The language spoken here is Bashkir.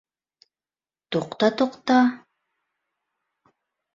Туҡта, туҡта...